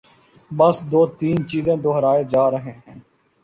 بس دو تین چیزیں دہرائے جا رہے ہیں۔